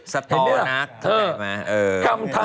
สตอนักเห็นไหม